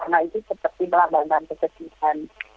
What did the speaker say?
warna itu seperti melambangkan kegembiraan